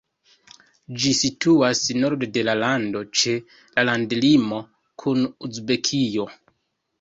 Ĝi situas norde de la lando, ĉe la landlimo kun Uzbekio.